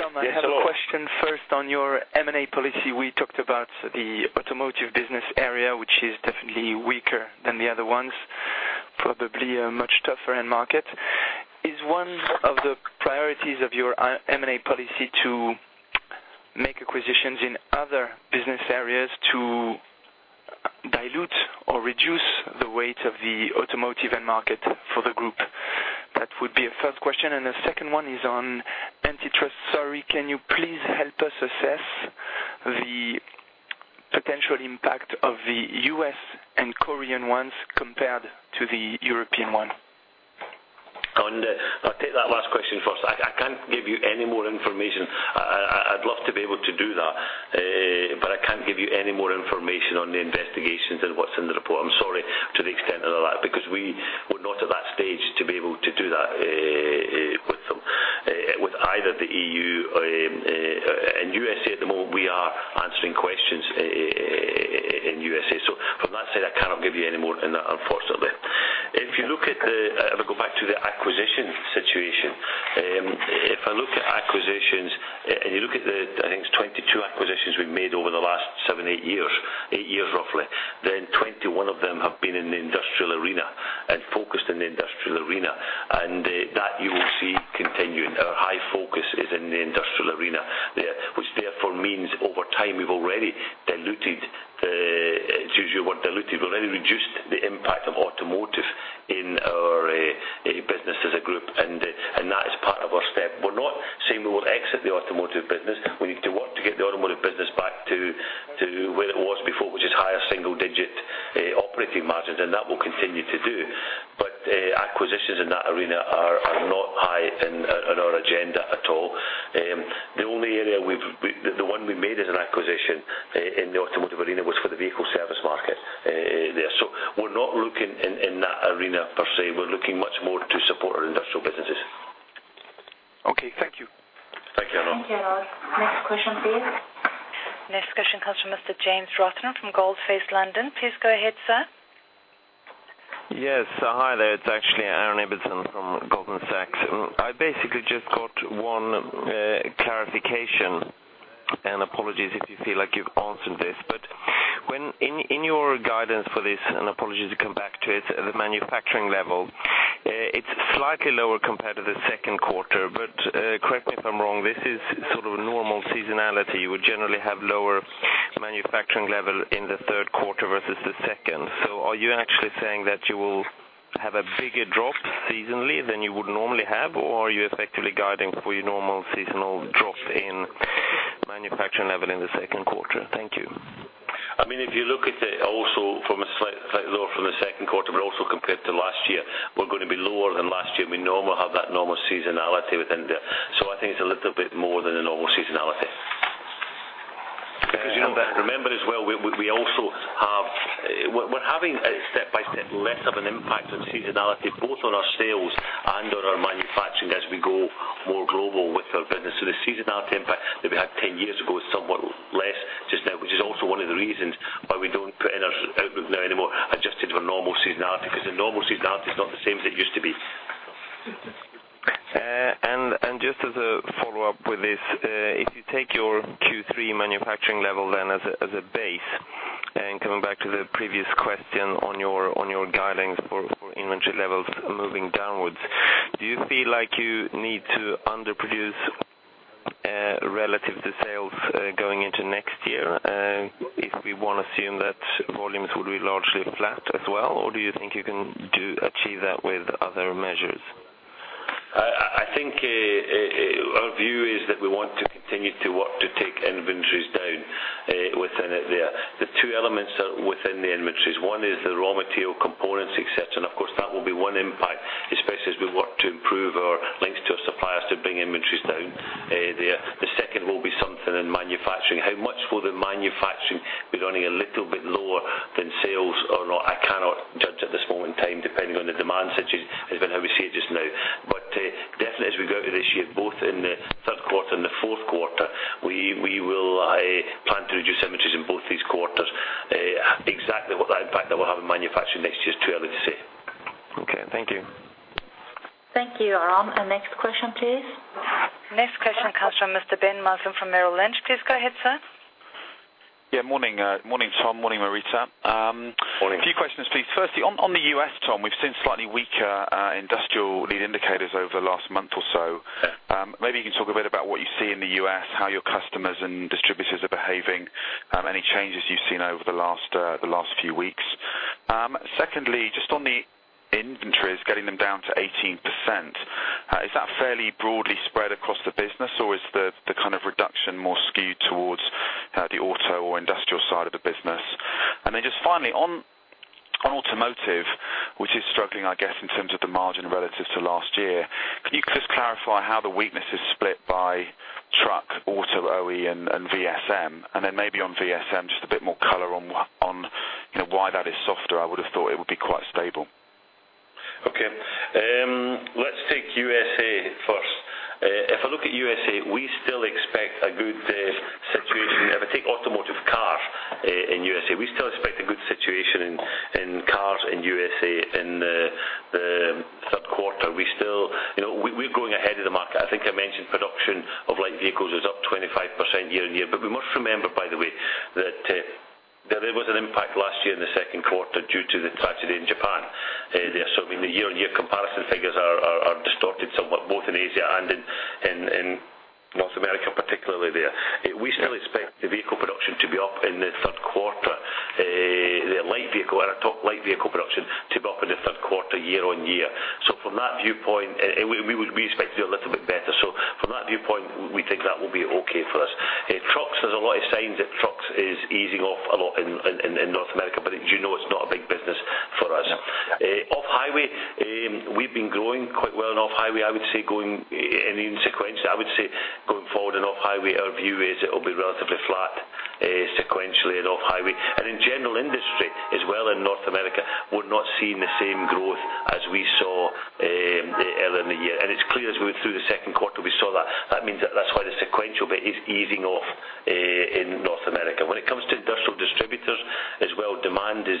hello. I have a question first on your M&A policy. We talked about the automotive business area, which is definitely weaker than the other ones, probably a much tougher end market. Is one of the priorities of your M&A policy to make acquisitions in other business areas to dilute or reduce the weight of the automotive end market for the group? That would be a first question, and the second one is on antitrust. Sorry, can you please help us assess the potential impact of the U.S. and Korean ones compared to the European one? ... I'll take that last question first. I can't give you any more information. I'd love to be able to do that, but I can't give you any more information on the investigations and what's in the report. I'm sorry to the extent of that, because we were not at that stage to be able to do that with them. With either the EU or in U.S. at the moment, we are answering questions in U.S.. So from that side, I cannot give you any more than that, unfortunately. If you look at if I go back to the acquisition situation. If I look at acquisitions, and you look at the, I think it's 22 acquisitions we've made over the last seven, eight years, eight years, roughly, then 21 of them have been in the industrial arena and focused in the industrial arena. And that you will see continuing. Our high focus is in the industrial arena, there, which therefore means over time, we've already diluted the... To use your word, diluted. We've already reduced the impact of automotive in our business as a group, and that is part of our step. We're not saying we will exit the automotive business. We need to work to get the automotive business back to where it was before, which is higher single-digit operating margins, and that we'll continue to do. But acquisitions in that arena are not high on our agenda at all. The only area we've, the one we made as an acquisition in the automotive arena, was for the vehicle service market there. So we're not looking in that arena per se. We're looking much more to support our industrial businesses. Okay, thank you. Thank you, Arnaud. Thank you, Arnaud. Next question, please. Next question comes from Mr. James Moore from Goldman Sachs London. Please go ahead, sir. Yes, hi there. It's actually Aaron Ibbotson from Goldman Sachs. I basically just got one clarification, and apologies if you feel like you've answered this. But when in your guidance for this, and apologies to come back to it, the manufacturing level, it's slightly lower compared to the second quarter, but correct me if I'm wrong, this is sort of normal seasonality. You would generally have lower manufacturing level in the third quarter versus the second. So are you actually saying that you will have a bigger drop seasonally than you would normally have, or are you effectively guiding for your normal seasonal drop in manufacturing level in the second quarter? Thank you. I mean, if you look at it also from a slightly lower from the second quarter, but also compared to last year, we're going to be lower than last year. We normally have that normal seasonality within there. So I think it's a little bit more than a normal seasonality. Because, you know, remember as well, we also have... We're having a step-by-step less of an impact on seasonality, both on our sales and on our manufacturing as we go more global with our business. So the seasonality impact that we had 10 years ago is somewhat less just now, which is also one of the reasons why we don't put in our outlook now anymore, adjusted for normal seasonality, because the normal seasonality is not the same as it used to be. And just as a follow-up with this, if you take your Q3 manufacturing level, then, as a base, and coming back to the previous question on your guidelines for inventory levels moving downwards, do you feel like you need to underproduce relative to sales going into next year? If we want to assume that volumes will be largely flat as well, or do you think you can achieve that with other measures? I think our view is that we want to continue to work to take inventories down within it there. The two elements are within the inventories. One is the raw material components, et cetera. And of course, that will be one impact, especially as we work to improve our links to our suppliers to bring inventories down there. The second will be something in manufacturing. How much will the manufacturing be running a little bit lower than sales or not? I cannot judge at this moment in time, depending on the demand situation as been how we see it just now. But definitely as we go through this year, both in the third quarter and the fourth quarter, we will plan to reduce inventories in both these quarters. Exactly what that impact that will have in manufacturing next year is too early to say. Okay, thank you. Thank you, Aaron. Next question, please. Next question comes from Mr. Ben Maslen from Merrill Lynch. Please go ahead, sir. Yeah, morning. Morning, Tom. Morning, Marita. Morning. A few questions, please. Firstly, on the U.S., Tom, we've seen slightly weaker industrial lead indicators over the last month or so. Maybe you can talk a bit about what you see in the U.S., how your customers and distributors are behaving, any changes you've seen over the last few weeks? Secondly, just on the inventories, getting them down to 18%, is that fairly broadly spread across the business, or is the kind of reduction more skewed towards the auto or industrial side of the business? And then just finally, on automotive, which is struggling, I guess, in terms of the margin relative to last year, can you just clarify how the weakness is split by truck, auto, OE, and VSM? And then maybe on VSM, just a bit more color on, you know, why that is softer. I would have thought it would be quite stable. Okay, let's take U.S. first. If I look at U.S., we still expect a good situation. If I take automotive cars in U.S., we still expect a good situation in cars in U.S., in the third quarter. We still, you know, we're going ahead of the market. I think I mentioned production of light vehicles is up 25% year-on-year. But we must remember, by the way, that there was an impact last year in the second quarter due to the tragedy in Japan. So I mean, the year-on-year comparison figures are distorted somewhat, both in Asia and in North America, particularly there. We still expect the vehicle production to be up in the third quarter, the light vehicle or a top light vehicle production to be up in the third quarter, year-on-year. So from that viewpoint, we expect... I think that will be okay for us. In trucks, there's a lot of signs that trucks is easing off a lot in North America, but as you know, it's not a big business for us. Off-highway, we've been growing quite well in off-highway. I would say going, and sequentially, I would say, going forward in off-highway, our view is it will be relatively flat, sequentially in off-highway. And in general, industry as well in North America, we're not seeing the same growth as we saw earlier in the year. It's clear as we went through the second quarter, we saw that. That means that that's why the sequential bit is easing off in North America. When it comes to industrial distributors as well, demand is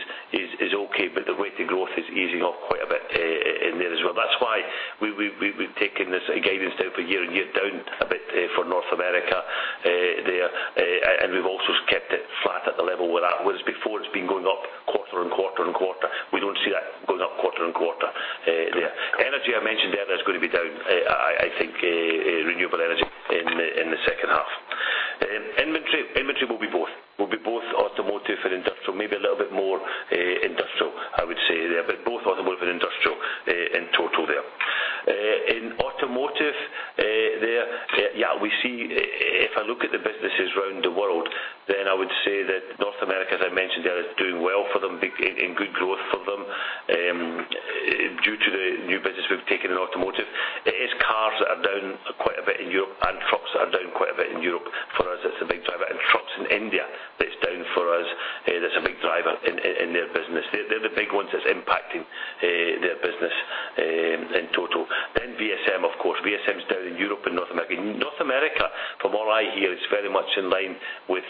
okay, but the rate of growth is easing off quite a bit in there as well. That's why we've taken this guidance down year-on-year a bit for North America, there, and we've also kept it flat at the level where that was before. It's been going up quarter-on-quarter. We don't see that going up quarter-on-quarter there. Energy, I mentioned earlier, is going to be down. I think renewable energy in the second half. Inventory will be both. Will be both automotive and industrial, maybe a little bit more industrial, I would say there, but both automotive and industrial in total there. In automotive, we see if I look at the businesses around the world, then I would say that North America, as I mentioned there, is doing well for them, being in good growth for them, due to the new business we've taken in automotive. It is cars that are down quite a bit in Europe and trucks are down quite a bit in Europe. For us, it's a big driver, and trucks in India that's down for us, that's a big driver in their business. They're the big ones that's impacting their business in total. Then VSM, of course, VSM is down in Europe and North America. North America, from what I hear, it's very much in line with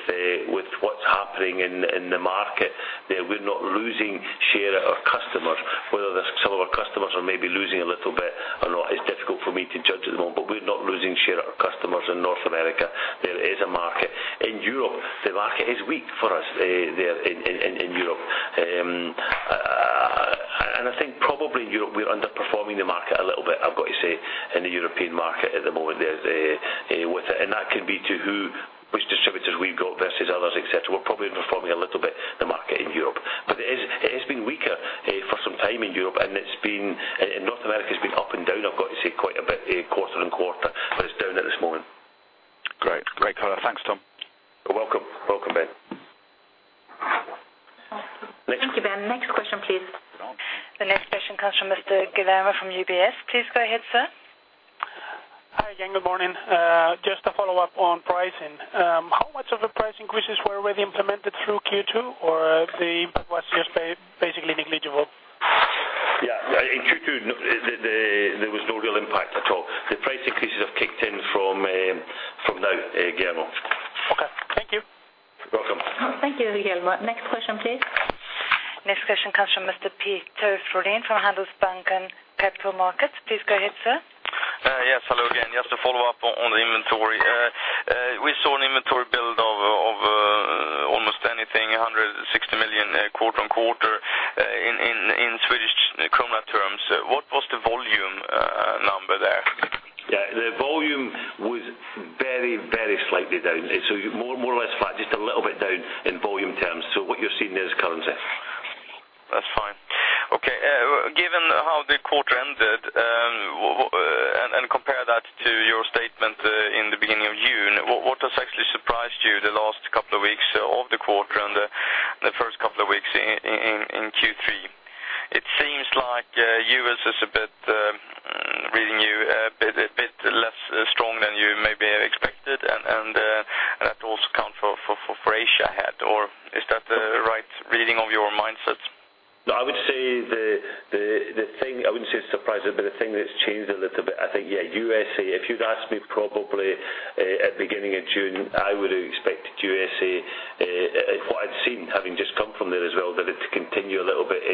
what's happening in the market. That we're not losing share of our customers, whether some of our customers are maybe losing a little bit or not, it's difficult for me to judge at the moment, but we're not losing share of our customers in North America. There is a market. In Europe, the market is weak for us there in Europe. And I think probably in Europe, we're underperforming the market a little bit, I've got to say, in the European market at the moment there with it. And that could be to which distributors we've got versus others, et cetera. We're probably underperforming a little bit the market in Europe, but it is, it has been weaker for some time in Europe, and it's been... In North America, it's been up and down, I've got to say, quite a bit, quarter and quarter, but it's down at this moment. Great. Great, color. Thanks, Tom. You're welcome. Welcome, Ben. Thank you, Ben. Next question, please. The next question comes from Mr. Guillermo from UBS. Please go ahead, sir. Hi, again, good morning. Just to follow up on pricing. How much of the price increases were already implemented through Q2, or the impact was just basically negligible? Yeah, in Q2, there was no real impact at all. The price increases have kicked in from now, Guillermo. Okay. Thank you. You're welcome. Thank you, Guillermo. Next question, please. Next question comes from Mr. Peder Frölén from Handelsbanken Capital Markets. Please go ahead, sir. Yes, hello again. Just to follow up on the inventory. We saw an inventory build of almost anything, 160 million quarter on quarter, in Swedish krona terms. What was the volume number there? Yeah, the volume was very, very slightly down. So more or less flat, just a little bit down in volume terms. So what you're seeing there is currency. That's fine. Okay, given how the quarter ended, and compare that to your statement in the beginning of June, what has actually surprised you the last couple of weeks of the quarter and the first couple of weeks in Q3? It seems like the U.S. is reading a bit less strong than you maybe had expected, and that also count for Asia as well, or is that the right reading of your mindsets? No, I would say the thing, I wouldn't say surprised, but the thing that's changed a little bit, I think, yeah, U.S., if you'd asked me probably at beginning of June, I would have expected U.S., what I'd seen, having just come from there as well, that it's continued a little bit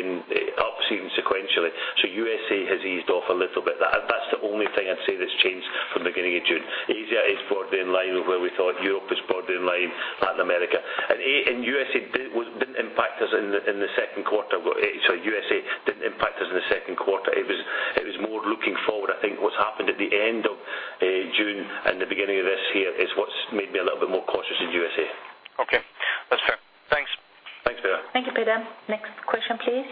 up sequentially. So U.S. has eased off a little bit. That's the only thing I'd say that's changed from the beginning of June. Asia is broadly in line with where we thought. Europe is broadly in line, Latin America. And U.S. didn't impact us in the second quarter. Sorry, U.S. didn't impact us in the second quarter. It was more looking forward. I think what's happened at the end of June and the beginning of this here is what's made me a little bit more cautious in U.S.. Okay. That's fair. Thanks. Thanks, Peter. Thank you, Peter. Next question, please.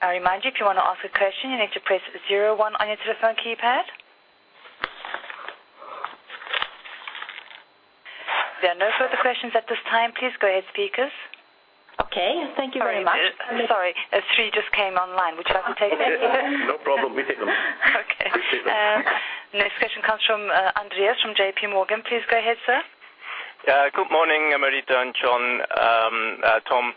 I remind you, if you want to ask a question, you need to press zero one on your telephone keypad. There are no further questions at this time. Please go ahead, speakers. Okay, thank you very much. I'm sorry, 3 just came online. Would you like to take them? No problem. We take them. Okay. We take them. Next question comes from, Andreas from JP Morgan. Please go ahead, sir. Yeah, good morning, Marita and Tom.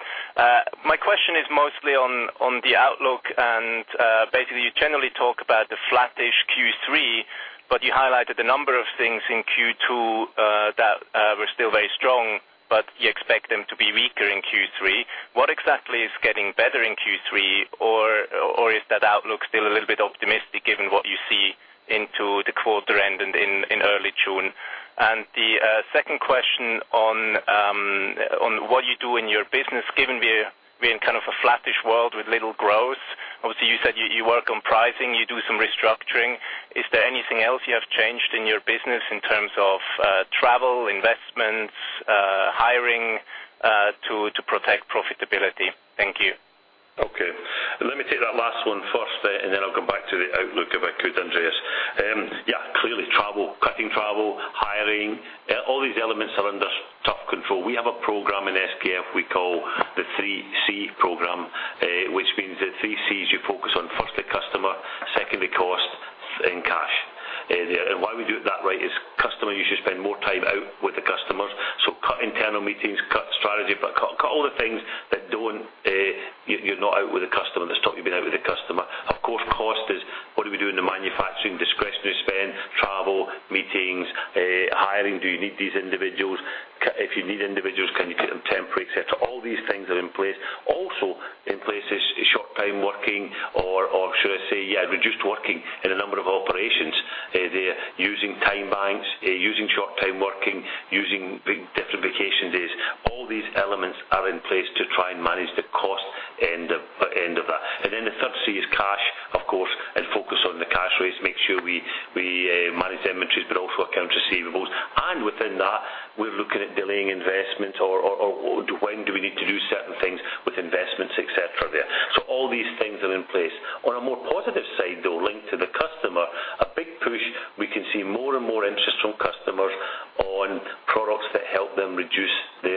My question is mostly on the outlook, and basically, you generally talk about the flattish Q3, but you highlighted a number of things in Q2 that were still very strong, but you expect them to be weaker in Q3. What exactly is getting better in Q3, or is that outlook still a little bit optimistic, given what you see into the quarter end in early June? And the second question on what you do in your business, given we're in kind of a flattish world with little growth. Obviously, you said you work on pricing, you do some restructuring. Is there anything else you have changed in your business in terms of travel, investments, hiring, to protect profitability? Thank you. Okay. Let me take that last one first, and then I'll come back to the outlook, if I could, Andreas. Yeah, clearly, travel, cutting travel, hiring, all these elements are under tough control. We have a program in SKF we call the 3C program, which means the 3Cs, you focus on, firstly, customer, secondly, cost, and cash. And why we do it that way is customer, you should spend more time out with the customers, so cut internal meetings, cut strategy, but cut, cut all the things that don't, you, you're not out with a customer, that stop you being out with a customer. Of course, cost is what do we do in the manufacturing, discretionary spend, travel, meetings, hiring. Do you need these individuals? If you need individuals, can you keep them temporary, et cetera. All these things are in place. Also in place is short time working or should I say, reduced working in a number of operations. They're using time banks, using short time working, using big different vacation days. All these elements are in place to try and manage the cost end of, end of that. And then the third C is cash, of course, and focus on the cash rates, make sure we manage the inventories, but also account receivables. And within that, we're looking at delaying investment or when do we need to do certain things with investments, et cetera, there. So all these things are in place. On a more positive side, though, linked to the customer, a big push, we can see more and more interest from customers on products that help them reduce their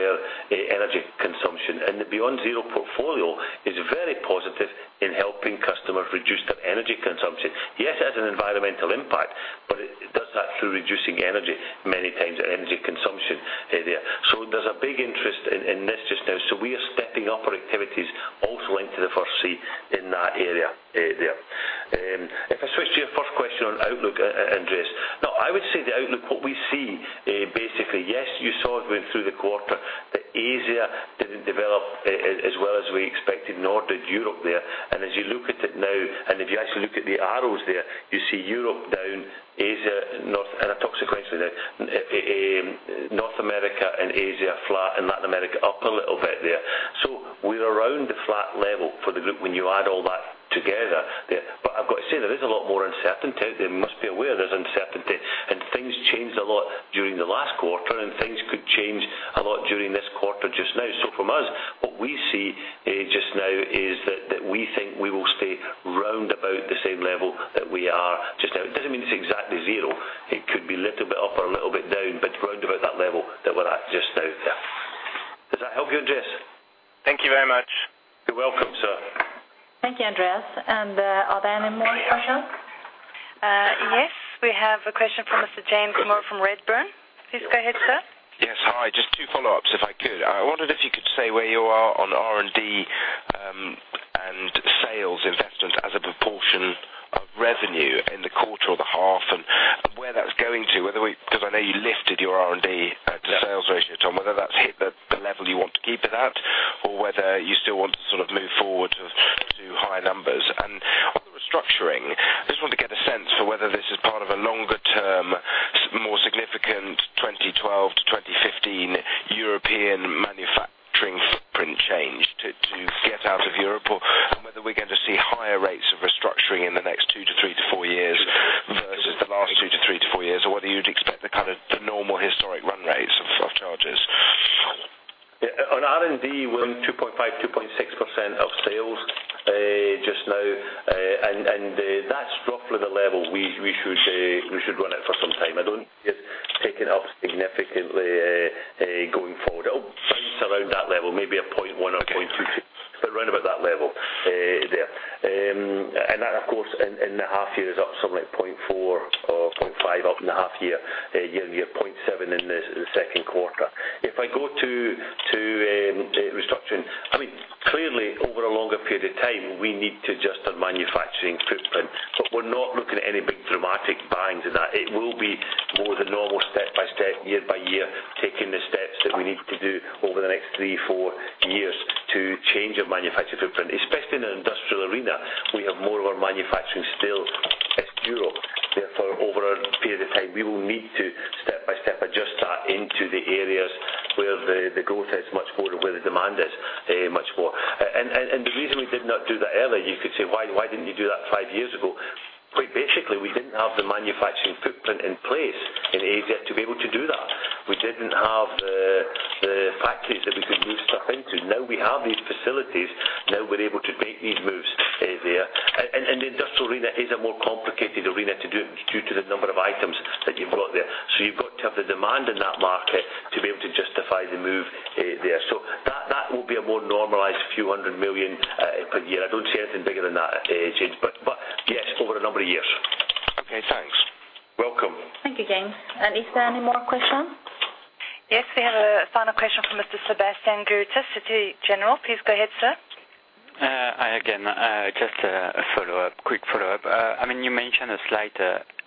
energy consumption. The BeyondZero portfolio is very positive in helping customers reduce their energy consumption. Yes, it has an environmental impact, but it does that through reducing energy many times their energy consumption area. So there's a big interest in this just now. So we are stepping up our activities also into the first C in that area, there. If I switch to your first question on outlook, Andreas. Now I would say the outlook, what we see, basically, yes, you saw it went through the quarter, but Asia didn't develop as well as we expected, nor did Europe there. And as you look at it now, and if you actually look at the arrows there, you see Europe down, Asia, North, and I talk sequentially there, North America and Asia, flat, and Latin America, up a little bit there. So we're around the flat level for the group when you add all that together there. But I've got to say, there is a lot more uncertainty. You must be aware there's uncertainty, and things changed a lot during the last quarter, and things could change a lot during this quarter just now. So from us, what we see, just now is that we think we will stay round about the same level that we are just now. It doesn't mean it's exactly zero. It could be a little bit up or a little bit down, but round about that level that we're at just now, yeah. Does that help you, Andreas? Thank you very much. You're welcome, sir. Thank you, Andreas. And, are there any more questions? Yes, we have a question from Mr. James Moore from Redburn. Please go ahead, sir. Yes, hi. Just two follow-ups, if I could. I wondered if you could say where you are on R&D and sales investments as a proportion of revenue in the quarter or the half, and where that's going to, whether we, because I know you lifted your R&D to sales ratio, Tom, whether that's hit the level you want to keep it at, or whether you still want to sort of move forward to higher numbers. On the restructuring, I just want to get a sense for whether this is part of a longer-term, more significant 2012-2015 European manufacturing footprint change to, to get out of Europe, or and whether we're going to see higher rates of restructuring in the next two to three to four years versus the last two to three to four years, or whether you'd expect the kind of the normal historic run rates of, of charges. Yeah, on R&D, we're 2.5%-2.6% of sales just now, and that's roughly the level we should run it for some time. I don't see it taking up significantly going forward. It'll bounce around that level, maybe 0.1 or 0.2- Okay. But round about that level, there. And that, of course, in the half year is up something like 0.4 or 0.5, up in the half year, year on year, 0.7 in the second quarter. If I go to restructuring, I mean, clearly, over a longer period of time, we need to adjust our manufacturing footprint, but we're not looking at any big dramatic bangs in that. It will be more the normal step by step, year by year, taking the steps that we need to do over the next three, four years to change our manufacturing footprint. Especially in an industrial arena, we have more of our manufacturing still in Europe. Therefore, over a period of time, we will need to, step by step, adjust that into the areas where the growth is much more and where the demand is much more. And the reason we did not do that earlier, you could say, "Why, why didn't you do that five years ago?" Quite basically, we didn't have the manufacturing footprint in place in Asia to be able to do that. We didn't have the factories that we could move stuff into. Now we have these facilities, now we're able to make these moves there. And the industrial arena is a more complicated arena to do it due to the number of items that you've got there. So you've got to have the demand in that market to be able to justify the move there. So that will be a more normalized SEK a few hundred million per year. I don't see anything bigger than that, James, but yes, over a number of years. Okay, thanks. Welcome. Thank you, James. Is there any more questions? Yes, we have a final question from Mr. Sebastian Gruter, Citi. Please go ahead, sir. Hi again. Just a follow-up, quick follow-up. I mean, you mentioned a slight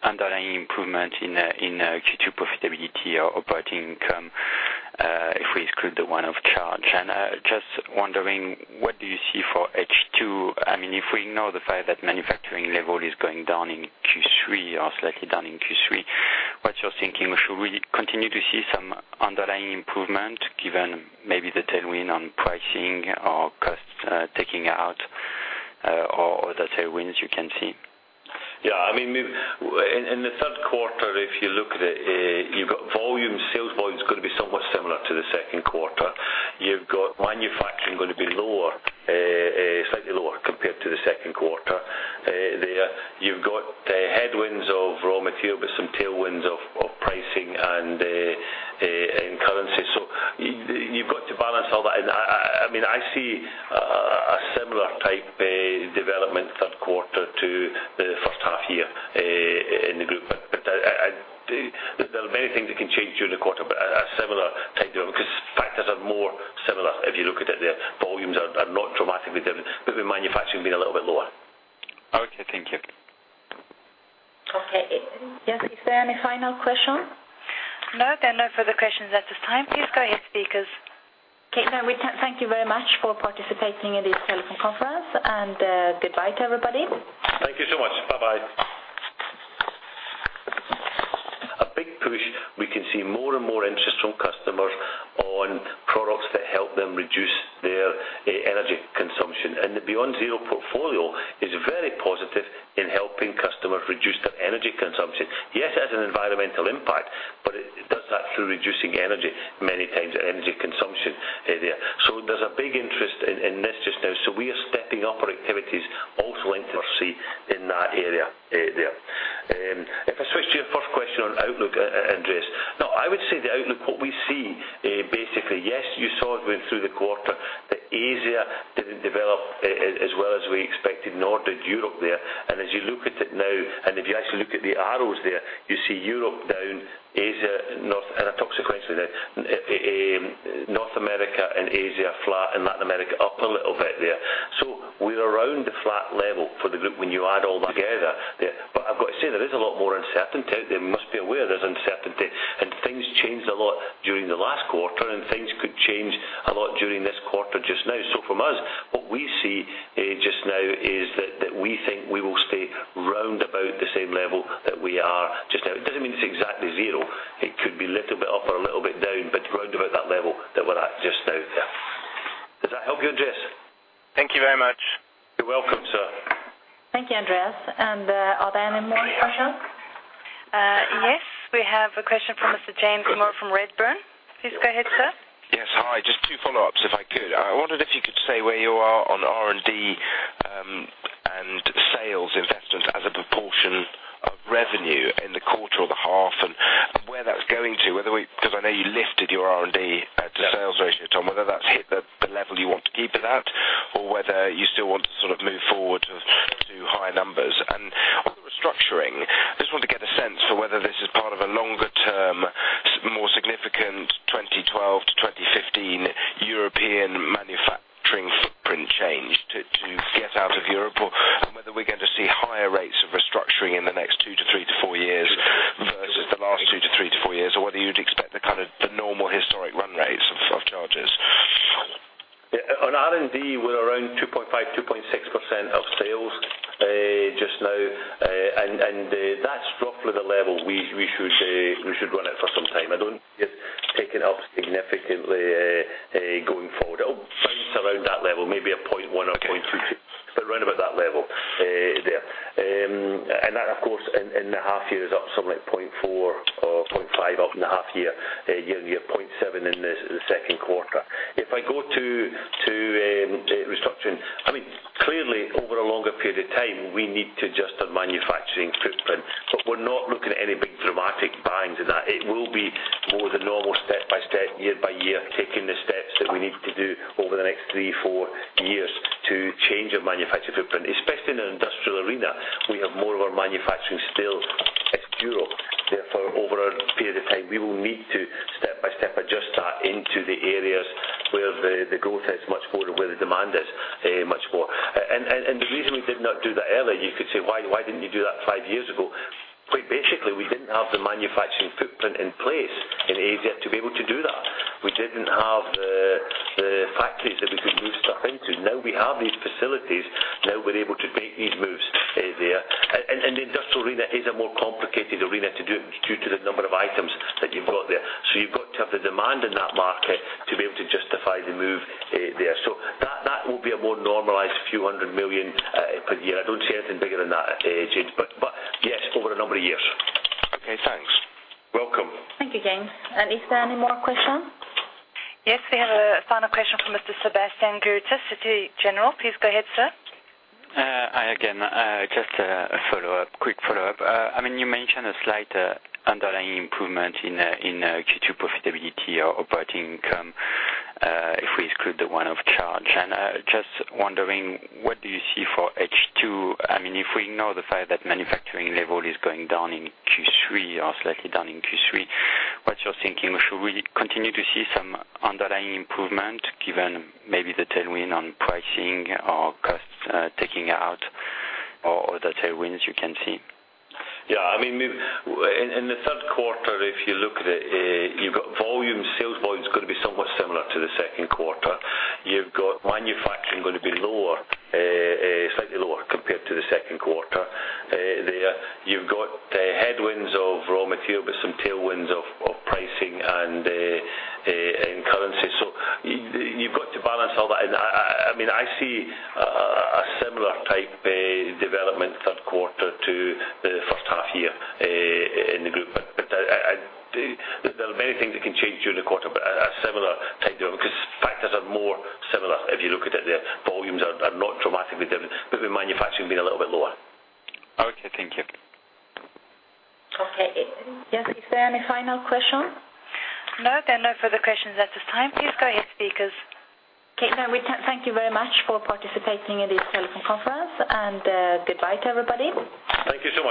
underlying improvement in Q2 profitability or operating income, if we exclude the one-off charge. Just wondering, what do you see for H2? I mean, if we ignore the fact that manufacturing level is going down in Q3 or slightly down in Q3, what's your thinking? Should we continue to see some underlying improvement, given maybe the tailwind on pricing or costs taking out, or other tailwinds you can see? ... Yeah, I mean, in the third quarter, if you look at it, you've got volume, sales volume is gonna be somewhat similar to the second quarter. You've got manufacturing gonna be lower, slightly lower compared to the second quarter. You've got the headwinds of raw material, but some tailwinds of pricing and currency. So you've got to balance all that. And I mean, I see a similar type development third quarter to the first half year in the group. But there are many things that can change during the quarter, but a similar type deal, because factors are more similar. If you look at it, the volumes are not dramatically different, but the manufacturing being a little bit lower. Okay, thank you. Okay. Yes, is there any final question? No, there are no further questions at this time. Please go ahead, speakers. Okay, now we thank you very much for participating in this telephone conference, and goodbye to everybody. Thank you so much. Bye-bye. A big push, we can see more and more interest from customers on products that help them reduce their energy consumption. And the BeyondZero portfolio is very positive in helping customers reduce their energy consumption. Yes, it has an environmental impact, but it does that through reducing energy, many times their energy consumption area. So there's a big interest in this just now. So we are stepping up our activities also into the first C in that area there. If I switch to your first question on outlook, Andreas. Now, I would say the outlook, what we see, basically, yes, you saw it went through the quarter, that Asia didn't develop as well as we expected, nor did Europe there. As you look at it now, and if you actually look at the arrows there, you see Europe down, Asia, North... I talk sequentially there. North America and Asia, flat, and Latin America, up a little bit there. So we're around the flat level for the group when you add all that together there. But I've got to say, there is a lot more uncertainty. You must be aware there's uncertainty, and things changed a lot during the last quarter, and things could change a lot during this quarter just now. So from us, what we see just now is that we think we will stay round about the same level that we are just now. It doesn't mean it's exactly zero. It could be a little bit up or a little bit down, but round about that level that we're at just now there. Does that help you, Andreas? Thank you very much. You're welcome, sir. Thank you, Andreas. Are there any more questions? Yes, we have a question from Mr. James Moore from Redburn. Please go ahead, sir. Yes, hi, just two follow-ups, if I could. I wondered if you could say where you are on R&D, and sales investments as a proportion of the demand in that market to be able to justify the move there. So that will be a more normalized few hundred million SEK per year. I don't see anything bigger than that, James, but yes, over a number of years. Okay, thanks. Welcome. Thank you, James. Is there any more questions? Yes, we have a final question from Mr. Sebastian Grötter, Citi. Please go ahead, sir. Hi again. Just a follow-up, quick follow-up. I mean, you mentioned a slight underlying improvement in Q2 profitability or operating income, if we exclude the one-off charge. And just wondering, what do you see for H2? I mean, if we ignore the fact that manufacturing level is going down in Q3 or slightly down in Q3, what's your thinking? Should we continue to see some underlying improvement, given maybe the tailwind on pricing or costs taking out, or other tailwinds you can see? Yeah, I mean, in the third quarter, if you look at it, you've got volume, sales volume is gonna be somewhat similar to the second quarter. You've got manufacturing gonna be lower, slightly lower compared to the second quarter. There, you've got the headwinds of raw material, but some tailwinds of pricing and currency. So you've got to balance all that. And I mean, I see a similar type development third quarter to the first half year in the group. But I... There are many things that can change during the quarter, but a similar type deal, because factors are more similar. If you look at it, the volumes are not dramatically different, but the manufacturing being a little bit lower. Okay, thank you. Okay. Yes, is there any final question? No, there are no further questions at this time. Please go ahead, speakers. Okay, now we thank you very much for participating in this telephone conference, and, goodbye to everybody. Thank you so much.